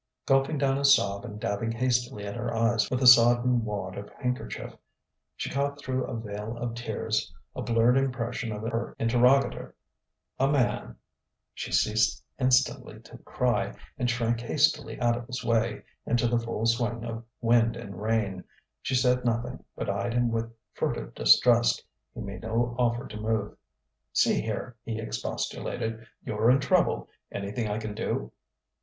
Gulping down a sob and dabbing hastily at her eyes with a sodden wad of handkerchief, she caught through a veil of tears a blurred impression of her interrogator. A man.... She ceased instantly to cry and shrank hastily out of his way, into the full swing of wind and rain. She said nothing, but eyed him with furtive distrust. He made no offer to move. "See here!" he expostulated. "You're in trouble. Anything I can do?"